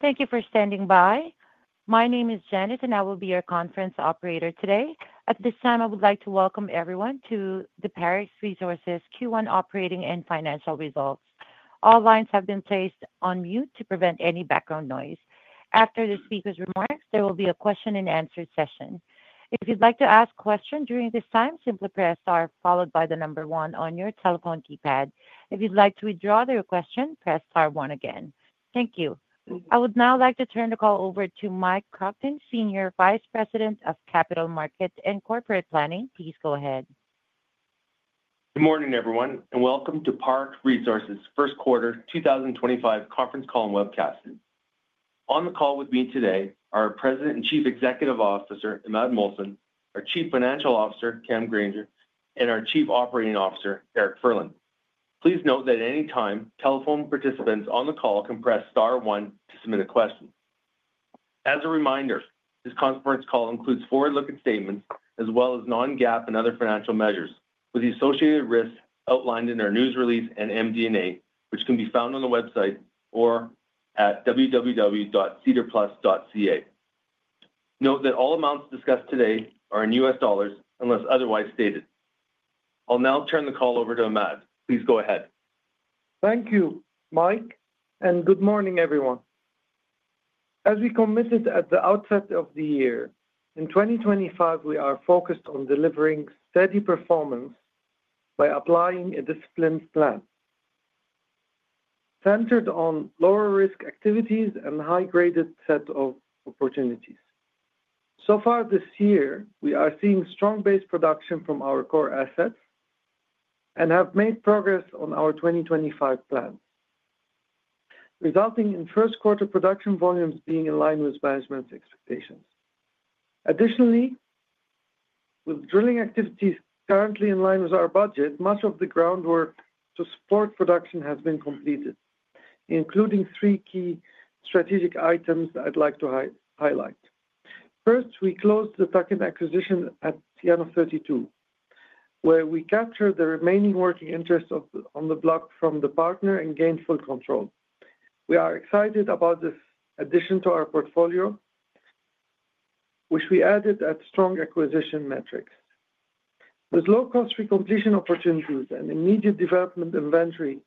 Thank you for standing by. My name is Janet, and I will be your conference operator today. At this time, I would like to welcome everyone to the Parex Resources Q1 operating and financial results. All lines have been placed on mute to prevent any background noise. After the speaker's remarks, there will be a question-and-answer session. If you'd like to ask a question during this time, simply press star followed by the number one on your telephone keypad. If you'd like to withdraw the question, press star one again. Thank you. I would now like to turn the call over to Mike Kruchten, Senior Vice President of Capital Markets and Corporate Planning. Please go ahead. Good morning, everyone, and welcome to Parex Resources' First Quarter 2025 Conference Call and Webcast. On the call with me today are our President and Chief Executive Officer, Imad Mohsen, our Chief Financial Officer, Cam Grainger, and our Chief Operating Officer, Eric Furlan. Please note that at any time, telephone participants on the call can press star one to submit a question. As a reminder, this conference call includes forward-looking statements as well as non-GAAP and other financial measures, with the associated risks outlined in our news release and MD&A, which can be found on the website or at www.siederplus.ca. Note that all amounts discussed today are in U.S. dollars unless otherwise stated. I'll now turn the call over to Imad. Please go ahead. Thank you, Mike, and good morning, everyone. As we committed at the outset of the year, in 2025, we are focused on delivering steady performance by applying a disciplined plan centered on lower-risk activities and high-graded sets of opportunities. So far this year, we are seeing strong base production from our core assets and have made progress on our 2025 plan, resulting in first-quarter production volumes being in line with management's expectations. Additionally, with drilling activities currently in line with our budget, much of the groundwork to support production has been completed, including three key strategic items that I'd like to highlight. First, we closed the token acquisition at Llanos 32, where we captured the remaining working interest on the block from the partner and gained full control. We are excited about this addition to our portfolio, which we added at strong acquisition metrics. With low-cost re-completion opportunities and immediate development inventory,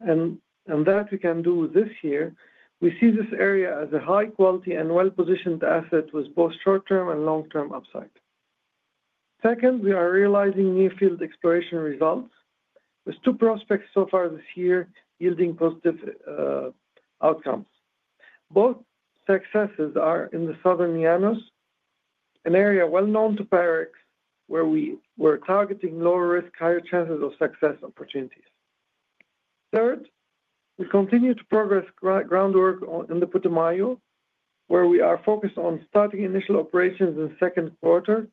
and that we can do this year, we see this area as a high-quality and well-positioned asset with both short-term and long-term upside. Second, we are realizing near-field exploration results with two prospects so far this year yielding positive outcomes. Both successes are in the Southern Llanos, an area well known to Parex, where we were targeting lower-risk, higher chances of success opportunities. Third, we continue to progress groundwork in the Putumayo, where we are focused on starting initial operations in the second quarter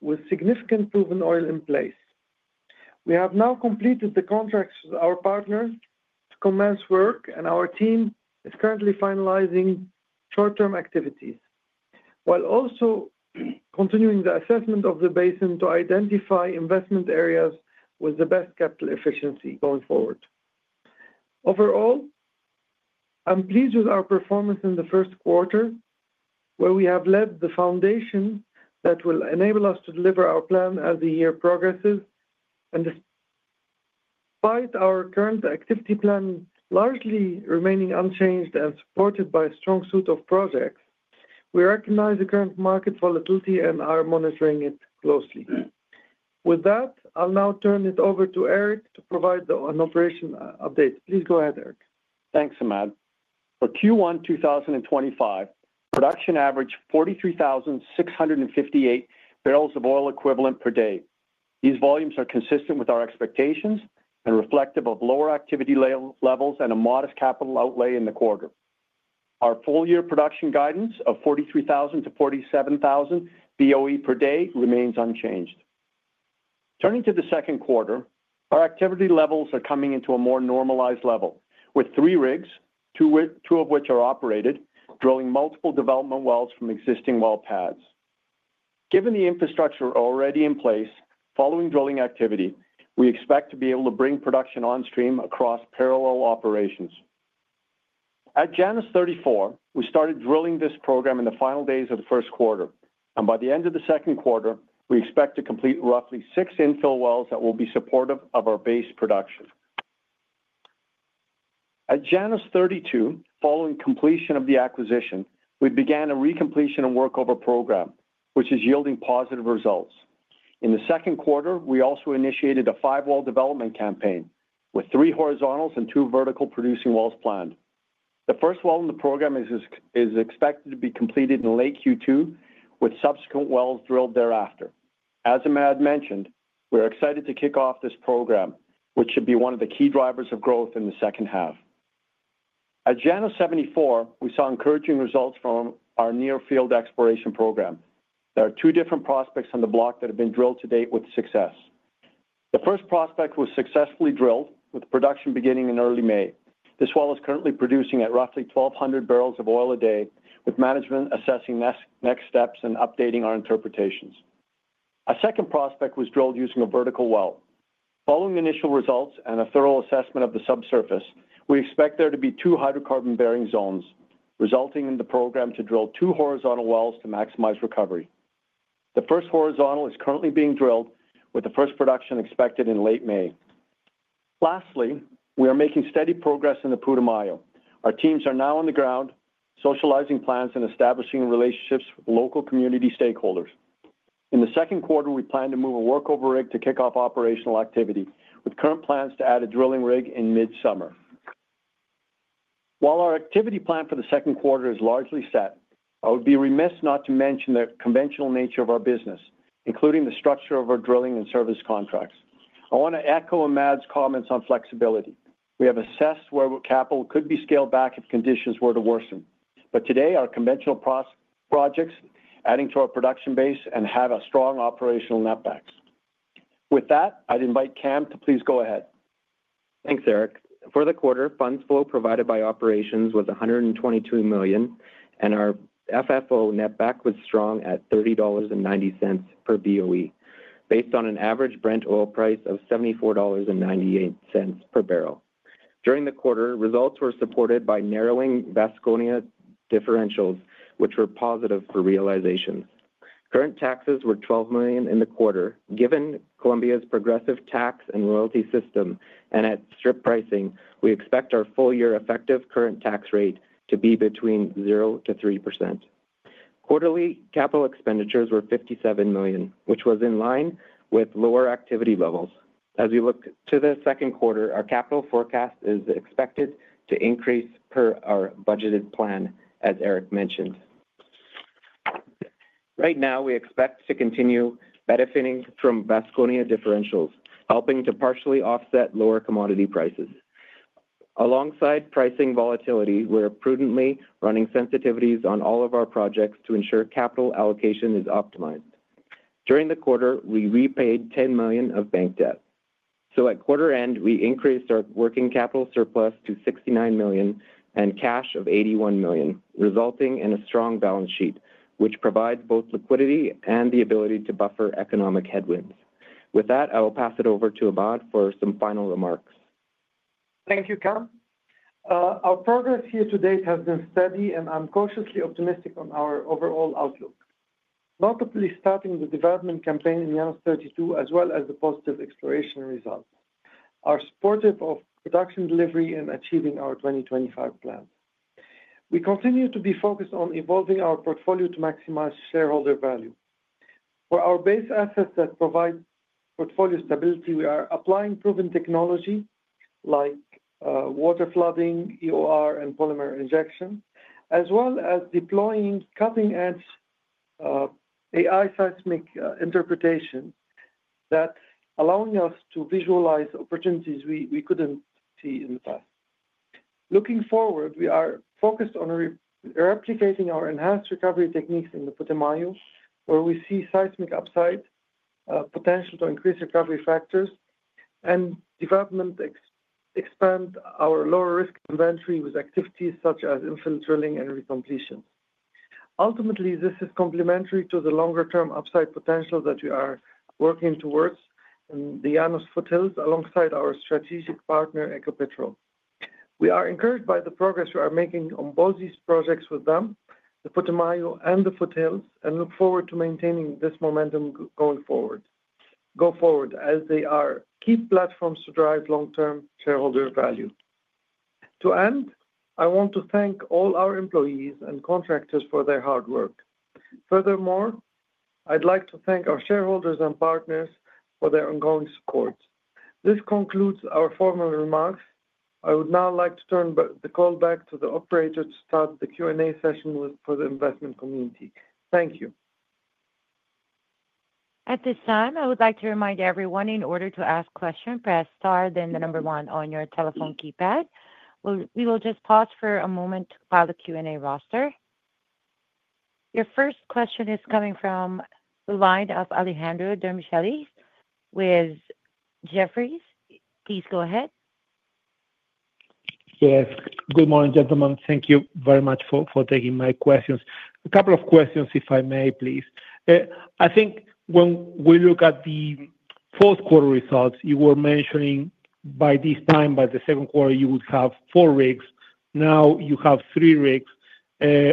with significant proven oil in place. We have now completed the contracts with our partners to commence work, and our team is currently finalizing short-term activities while also continuing the assessment of the basin to identify investment areas with the best capital efficiency going forward. Overall, I'm pleased with our performance in the first quarter, where we have laid the foundation that will enable us to deliver our plan as the year progresses. Despite our current activity plan largely remaining unchanged and supported by a strong suite of projects, we recognize the current market volatility and are monitoring it closely. With that, I'll now turn it over to Eric to provide an operation update. Please go ahead, Eric. Thanks, Imad. For Q1 2025, production averaged 43,658 barrels of oil equivalent per day. These volumes are consistent with our expectations and reflective of lower activity levels and a modest capital outlay in the quarter. Our full-year production guidance of 43,000-47,000 BOE per day remains unchanged. Turning to the second quarter, our activity levels are coming into a more normalized level, with three rigs, two of which are operated, drilling multiple development wells from existing well pads. Given the infrastructure already in place following drilling activity, we expect to be able to bring production on stream across parallel operations. At Llanos 34, we started drilling this program in the final days of the first quarter, and by the end of the second quarter, we expect to complete roughly six infill wells that will be supportive of our base production. At Llanos 32, following completion of the acquisition, we began a re-completion and workover program, which is yielding positive results. In the second quarter, we also initiated a five-well development campaign with three horizontal and two vertical producing wells planned. The first well in the program is expected to be completed in late Q2, with subsequent wells drilled thereafter. As Imad mentioned, we're excited to kick off this program, which should be one of the key drivers of growth in the second half. At Llanos 74, we saw encouraging results from our near-field exploration program. There are two different prospects on the block that have been drilled to date with success. The first prospect was successfully drilled, with production beginning in early May. This well is currently producing at roughly 1,200 barrels of oil a day, with management assessing next steps and updating our interpretations. A second prospect was drilled using a vertical well. Following initial results and a thorough assessment of the subsurface, we expect there to be two hydrocarbon-bearing zones, resulting in the program to drill two horizontal wells to maximize recovery. The first horizontal is currently being drilled, with the first production expected in late May. Lastly, we are making steady progress in the Putumayo. Our teams are now on the ground, socializing plans and establishing relationships with local community stakeholders. In the second quarter, we plan to move a workover rig to kick off operational activity, with current plans to add a drilling rig in mid-summer. While our activity plan for the second quarter is largely set, I would be remiss not to mention the conventional nature of our business, including the structure of our drilling and service contracts. I want to echo Imad's comments on flexibility. We have assessed where capital could be scaled back if conditions were to worsen, but today our conventional projects are adding to our production base and have a strong operational net back. With that, I'd invite Cam to please go ahead. Thanks, Eric. For the quarter, funds flow provided by operations was $122 million, and our FFO net back was strong at $30.90 per BOE, based on an average Brent oil price of $74.98 per barrel. During the quarter, results were supported by narrowing Vasconia differentials, which were positive for realization. Current taxes were $12 million in the quarter. Given Colombia's progressive tax and loyalty system and at strip pricing, we expect our full-year effective current tax rate to be between 0%-3%. Quarterly capital expenditures were $57 million, which was in line with lower activity levels. As we look to the second quarter, our capital forecast is expected to increase per our budgeted plan, as Eric mentioned. Right now, we expect to continue benefiting from Vasconia differentials, helping to partially offset lower commodity prices. Alongside pricing volatility, we're prudently running sensitivities on all of our projects to ensure capital allocation is optimized. During the quarter, we repaid $10 million of bank debt. At quarter end, we increased our working capital surplus to $69 million and cash of $81 million, resulting in a strong balance sheet, which provides both liquidity and the ability to buffer economic headwinds. With that, I will pass it over to Imad for some final remarks. Thank you, Cam. Our progress here to date has been steady, and I'm cautiously optimistic on our overall outlook, notably starting the development campaign in Llanos 32, as well as the positive exploration results. Our support of production delivery and achieving our 2025 plan. We continue to be focused on evolving our portfolio to maximize shareholder value. For our base assets that provide portfolio stability, we are applying proven technology like water flooding, EOR, and polymer injection, as well as deploying cutting-edge AI seismic interpretation that allows us to visualize opportunities we couldn't see in the past. Looking forward, we are focused on replicating our enhanced recovery techniques in the Putumayo, where we see seismic upside potential to increase recovery factors and development, expand our lower-risk inventory with activities such as infill drilling and re-completion. Ultimately, this is complementary to the longer-term upside potential that we are working towards in the JANUS Foothills alongside our strategic partner, EcoPetrol. We are encouraged by the progress we are making on both these projects with them, the Putumayo and the Foothills, and look forward to maintaining this momentum going forward as they are key platforms to drive long-term shareholder value. To end, I want to thank all our employees and contractors for their hard work. Furthermore, I'd like to thank our shareholders and partners for their ongoing support. This concludes our formal remarks. I would now like to turn the call back to the operator to start the Q&A session for the investment community. Thank you. At this time, I would like to remind everyone in order to ask a question, press star then the number one on your telephone keypad. We will just pause for a moment to file the Q&A roster. Your first question is coming from the line of Alejandro Demichelis with Jefferies. Please go ahead. Yes. Good morning, gentlemen. Thank you very much for taking my questions. A couple of questions, if I may, please. I think when we look at the fourth quarter results, you were mentioning by this time, by the second quarter, you would have four rigs. Now you have three rigs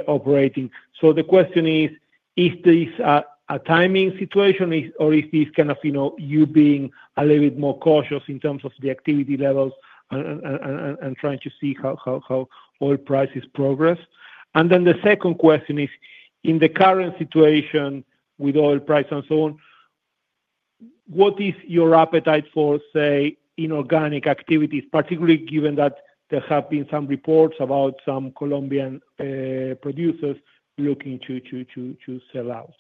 operating. The question is, is this a timing situation, or is this kind of you being a little bit more cautious in terms of the activity levels and trying to see how oil prices progress? The second question is, in the current situation with oil price and so on, what is your appetite for, say, inorganic activities, particularly given that there have been some reports about some Colombian producers looking to sell out?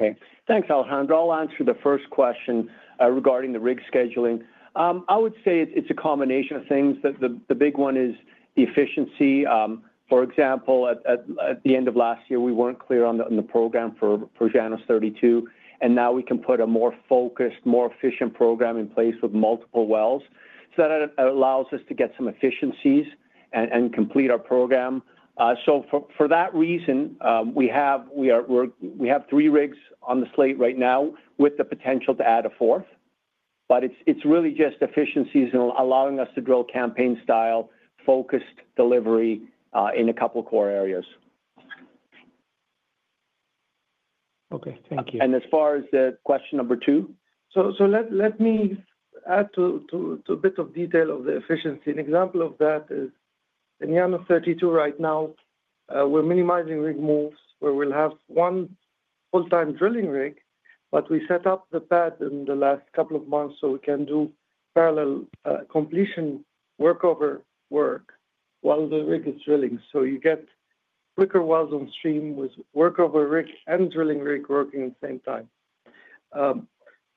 Okay. Thanks, Alejandro. I'll answer the first question regarding the rig scheduling. I would say it's a combination of things. The big one is efficiency. For example, at the end of last year, we weren't clear on the program for Llanos 32, and now we can put a more focused, more efficient program in place with multiple wells so that allows us to get some efficiencies and complete our program. For that reason, we have three rigs on the slate right now with the potential to add a fourth, but it's really just efficiencies and allowing us to drill campaign-style focused delivery in a couple of core areas. Okay. Thank you. As far as the question number two? Let me add to a bit of detail of the efficiency. An example of that is in Llanos 32 right now, we're minimizing rig moves where we'll have one full-time drilling rig, but we set up the pad in the last couple of months so we can do parallel completion workover work while the rig is drilling. You get quicker wells on stream with workover rig and drilling rig working at the same time.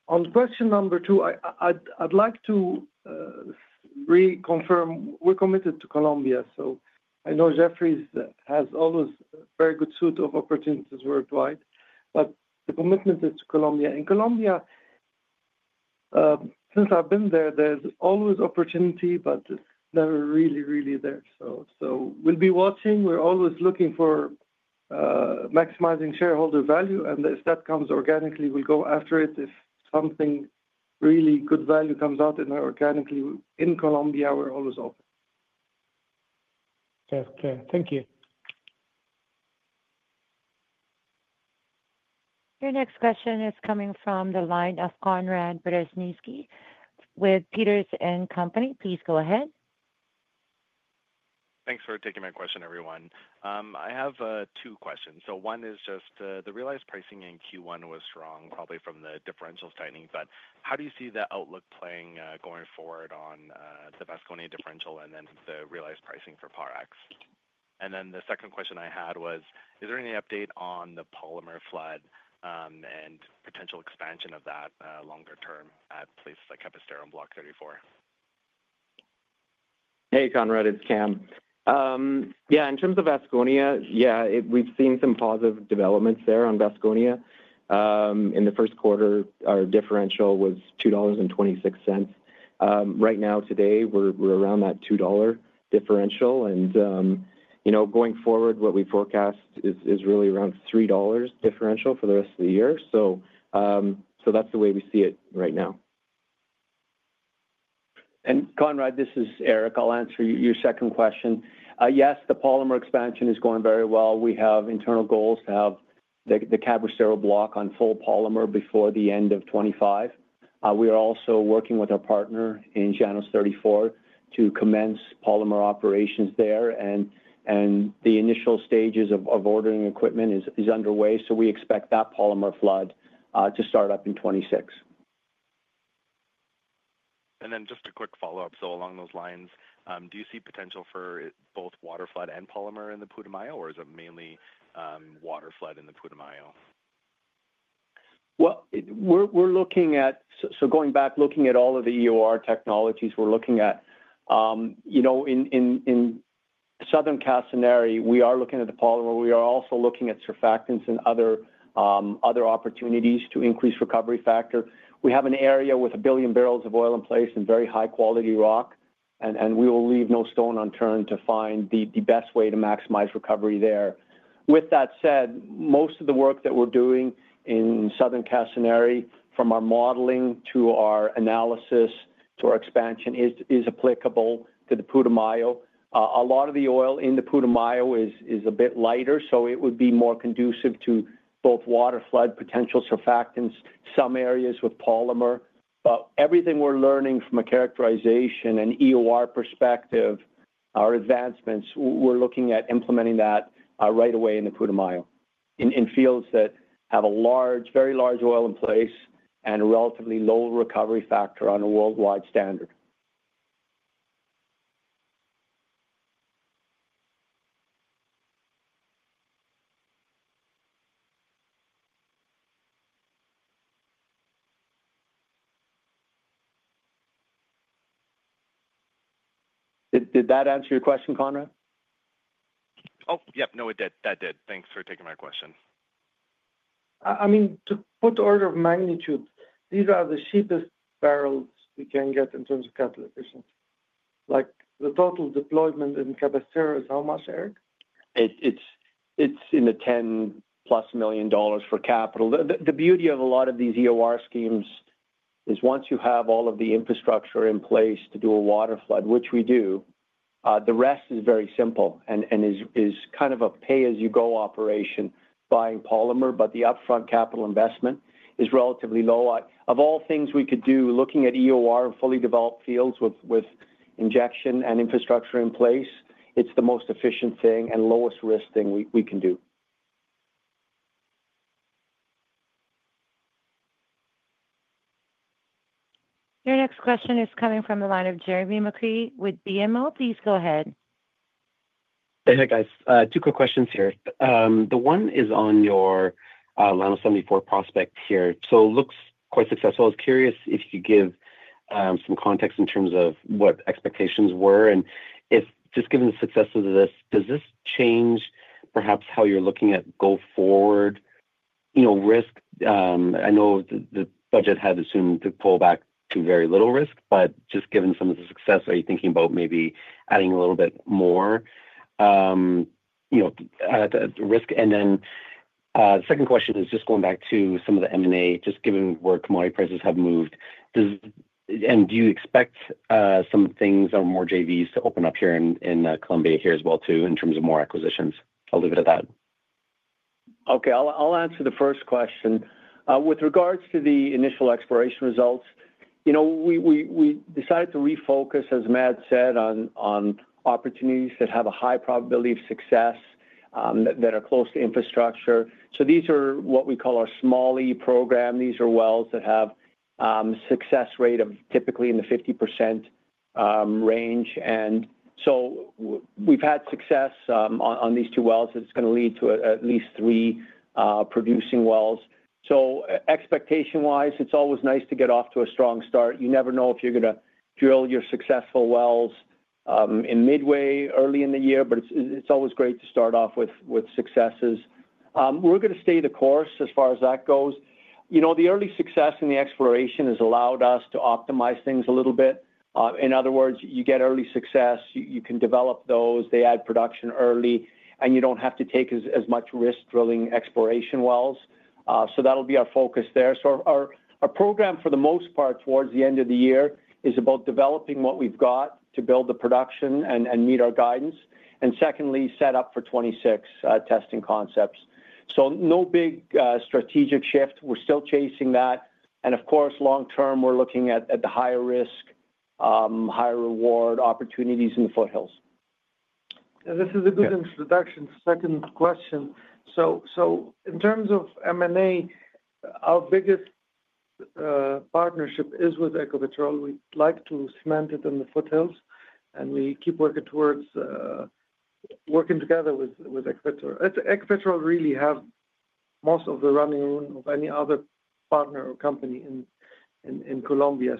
On question number two, I'd like to reconfirm we're committed to Colombia. I know Jefferies has always a very good suite of opportunities worldwide, but the commitment is to Colombia. In Colombia, since I've been there, there's always opportunity, but it's never really, really there. We'll be watching. We're always looking for maximizing shareholder value, and if that comes organically, we'll go after it. If something really good value comes out organically in Colombia, we're always open. Okay. Thank you. Your next question is coming from the line of Conrad Berezinski with Peters & Co. Please go ahead. Thanks for taking my question, everyone. I have two questions. One is just the realized pricing in Q1 was strong, probably from the differentials tightening. How do you see the outlook playing going forward on the Vasconia differential and then the realized pricing for Parex? The second question I had was, is there any update on the polymer flood and potential expansion of that longer term at places like Cabristero and Block 34? Hey, Conrad, it's Cam. Yeah, in terms of Vasconia, yeah, we've seen some positive developments there on Vasconia. In the first quarter, our differential was $2.26. Right now, today, we're around that $2 differential. Going forward, what we forecast is really around $3 differential for the rest of the year. That's the way we see it right now. Conrad, this is Eric. I'll answer your second question. Yes, the polymer expansion is going very well. We have internal goals to have the Cabristero block on full polymer before the end of 2025. We are also working with our partner in Llanos 34 to commence polymer operations there, and the initial stages of ordering equipment is underway. We expect that polymer flood to start up in 2026. Just a quick follow-up. Along those lines, do you see potential for both water flood and polymer in the Putumayo, or is it mainly water flood in the Putumayo? We're looking at, so going back, looking at all of the EOR technologies we're looking at. In Southern Llanos, we are looking at the polymer. We are also looking at surfactants and other opportunities to increase recovery factor. We have an area with a billion barrels of oil in place and very high-quality rock, and we will leave no stone unturned to find the best way to maximize recovery there. With that said, most of the work that we're doing in Southern Llanos, from our modeling to our analysis to our expansion, is applicable to the Putumayo. A lot of the oil in the Putumayo is a bit lighter, so it would be more conducive to both water flood potential surfactants, some areas with polymer. Everything we're learning from a characterization and EOR perspective, our advancements, we're looking at implementing that right away in the Putumayo in fields that have a large, very large oil in place and a relatively low recovery factor on a worldwide standard. Did that answer your question, Conrad? Oh, yep. No, it did. That did. Thanks for taking my question. I mean, to put order of magnitude, these are the cheapest barrels we can get in terms of capital efficiency. The total deployment in Cabristero is how much, Eric? It's in the $10 million plus for capital. The beauty of a lot of these EOR schemes is once you have all of the infrastructure in place to do a water flood, which we do, the rest is very simple and is kind of a pay-as-you-go operation, buying polymer, but the upfront capital investment is relatively low. Of all things we could do, looking at EOR and fully developed fields with injection and infrastructure in place, it's the most efficient thing and lowest risk thing we can do. Your next question is coming from the line of Jeremy McCrea with BMO. Please go ahead. Hey, hi, guys. Two quick questions here. The one is on your Llanos 74 prospect here. It looks quite successful. I was curious if you could give some context in terms of what expectations were. Just given the success of this, does this change perhaps how you're looking at go forward risk? I know the budget had assumed to pull back to very little risk, but just given some of the success, are you thinking about maybe adding a little bit more risk? The second question is just going back to some of the M&A, just given where commodity prices have moved. Do you expect some things or more JVs to open up here in Colombia here as well too in terms of more acquisitions? I'll leave it at that. Okay. I'll answer the first question. With regards to the initial exploration results, we decided to refocus, as Matt said, on opportunities that have a high probability of success that are close to infrastructure. These are what we call our small E program. These are wells that have a success rate of typically in the 50% range. We've had success on these two wells. It's going to lead to at least three producing wells. Expectation-wise, it's always nice to get off to a strong start. You never know if you're going to drill your successful wells midway or early in the year, but it's always great to start off with successes. We're going to stay the course as far as that goes. The early success in the exploration has allowed us to optimize things a little bit. In other words, you get early success, you can develop those, they add production early, and you do not have to take as much risk drilling exploration wells. That will be our focus there. Our program, for the most part, towards the end of the year is about developing what we have got to build the production and meet our guidance. Secondly, set up for 2026 testing concepts. No big strategic shift. We are still chasing that. Of course, long term, we are looking at the higher risk, higher reward opportunities in the Foothills. This is a good introduction. Second question. In terms of M&A, our biggest partnership is with EcoPetrol. We'd like to cement it in the Foothills, and we keep working towards working together with EcoPetrol. EcoPetrol really has most of the running room of any other partner or company in Colombia.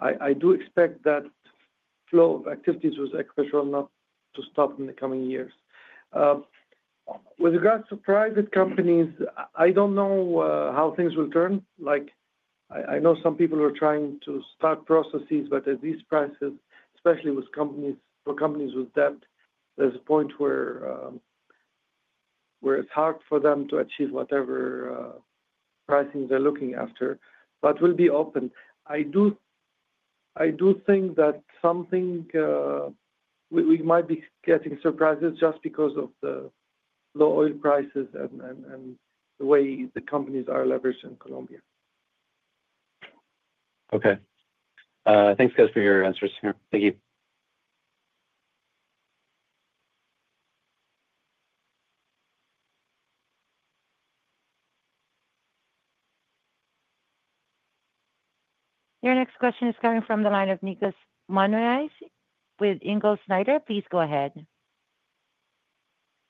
I do expect that flow of activities with EcoPetrol not to stop in the coming years. With regards to private companies, I don't know how things will turn. I know some people are trying to start processes, but at these prices, especially for companies with debt, there's a point where it's hard for them to achieve whatever pricing they're looking after. We'll be open. I do think that something we might be getting surprises just because of the low oil prices and the way the companies are leveraged in Colombia. Okay. Thanks, guys, for your answers here. Thank you. Your next question is coming from the line of Nicas Manuez with Invesco. Please go ahead.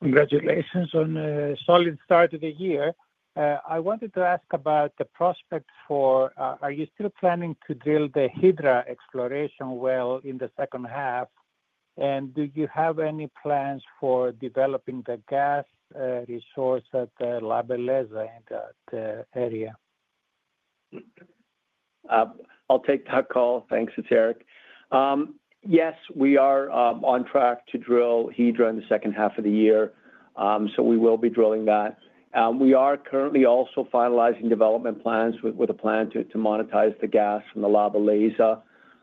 Congratulations on a solid start to the year. I wanted to ask about the prospect for are you still planning to drill the Hidra exploration well in the second half? Do you have any plans for developing the gas resource at La Bereza and that area? I'll take that call. Thanks. It's Eric. Yes, we are on track to drill Hidra in the second half of the year. We will be drilling that. We are currently also finalizing development plans with a plan to monetize the gas from La Bereza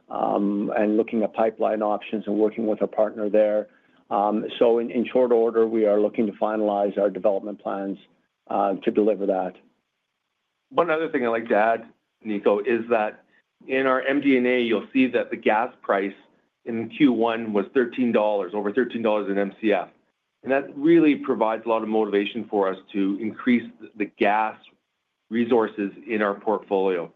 and looking at pipeline options and working with our partner there. In short order, we are looking to finalize our development plans to deliver that. One other thing I'd like to add, Nico, is that in our MD&A, you'll see that the gas price in Q1 was $13, over $13 in MCF. That really provides a lot of motivation for us to increase the gas resources in our portfolio.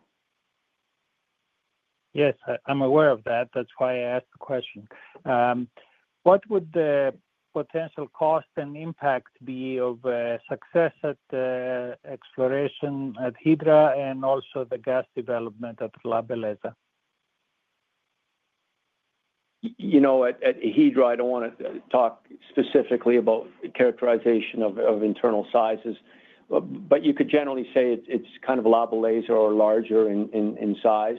Yes, I'm aware of that. That's why I asked the question. What would the potential cost and impact be of success at exploration at Hidra and also the gas development at La Bereza? You know, at Hidra, I do not want to talk specifically about characterization of internal sizes, but you could generally say it is kind of La Bereza or larger in size.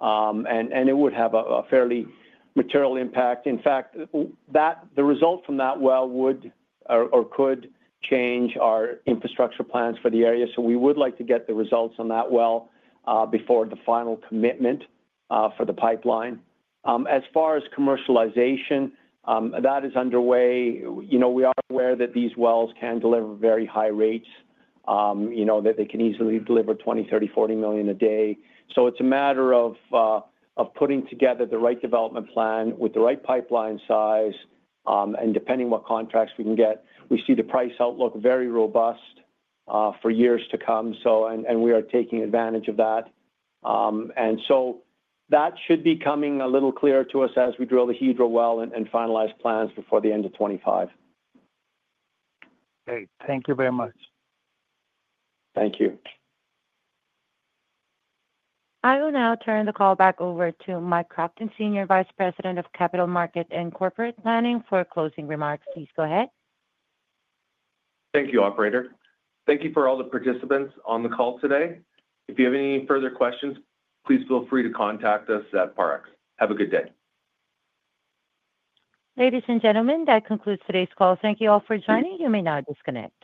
It would have a fairly material impact. In fact, the result from that well would or could change our infrastructure plans for the area. We would like to get the results on that well before the final commitment for the pipeline. As far as commercialization, that is underway. We are aware that these wells can deliver very high rates, that they can easily deliver 20, 30, 40 million a day. It is a matter of putting together the right development plan with the right pipeline size. Depending on what contracts we can get, we see the price outlook very robust for years to come. We are taking advantage of that. That should be coming a little clearer to us as we drill the Hidra well and finalize plans before the end of 2025. Okay. Thank you very much. Thank you. I will now turn the call back over to Mike Kruchten, Senior Vice President of Capital Markets and Corporate Planning for closing remarks. Please go ahead. Thank you, Operator. Thank you for all the participants on the call today. If you have any further questions, please feel free to contact us at Parex. Have a good day. Ladies and gentlemen, that concludes today's call. Thank you all for joining. You may now disconnect.